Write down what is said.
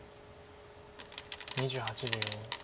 ２８秒。